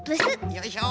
よいしょ。